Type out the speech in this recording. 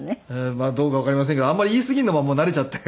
まあどうかわかりませんがあまり言いすぎるのももう慣れちゃって。